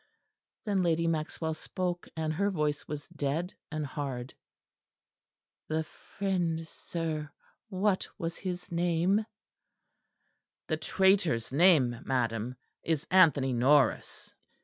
Then Lady Maxwell spoke; and her voice was dead and hard. "The friend, sir! What was his name?" "The traitor's name, madam, is Anthony Norris."